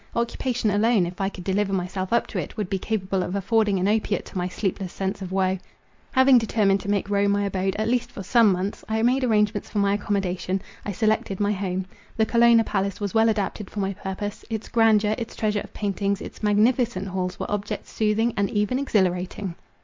Occupation alone, if I could deliver myself up to it, would be capable of affording an opiate to my sleepless sense of woe. Having determined to make Rome my abode, at least for some months, I made arrangements for my accommodation—I selected my home. The Colonna Palace was well adapted for my purpose. Its grandeur— its treasure of paintings, its magnificent halls were objects soothing and even exhilarating.